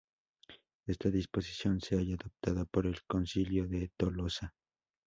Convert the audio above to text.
Esta disposición se halla adoptada por el Concilio de Tolosa.